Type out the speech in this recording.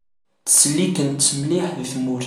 Ttsellikent-tt mliḥ di tmurt.